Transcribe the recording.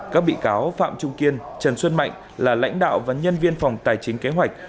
các bị cáo phạm trung kiên trần xuân mạnh là lãnh đạo và nhân viên phòng tài chính kế hoạch